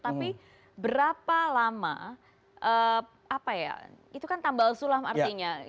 tapi berapa lama apa ya itu kan tambal sulam artinya